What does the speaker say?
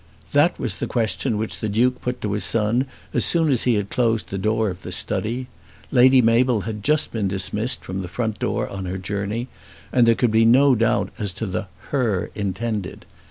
That was the question which the Duke put to his son as soon as he had closed the door of the study. Lady Mabel had just been dismissed from the front door on her journey, and there could be no doubt as to the "her" intended.